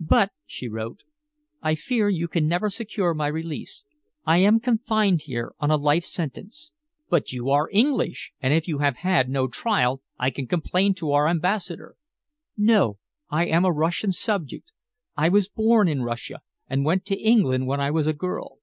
But," she wrote, "I fear you can never secure my release. I am confined here on a life sentence." "But you are English, and if you have had no trial I can complain to our Ambassador." "No, I am a Russian subject. I was born in Russia, and went to England when I was a girl."